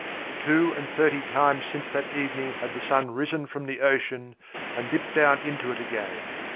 Two and thirty times since that evening had the sun risen from the ocean and dipped down into it again.